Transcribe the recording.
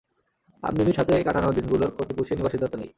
আমি মিমির সাথে কাটানো দিনগুলোর ক্ষতি পুষিয়ে নিবার সিদ্ধান্ত নিই।